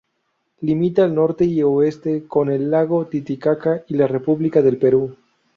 Limita al norte y oeste con el Lago Titicaca y la República del Perú.